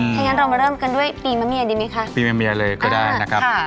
ถ้างั้นเรามาเริ่มกันด้วยปีมะเมียดีไหมคะปีมะเมียเลยก็ได้นะครับ